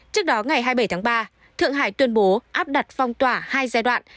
trước đó ngày hai mươi bảy tháng ba thượng hải tuyên bố áp đặt phong tỏa hai giai đoạn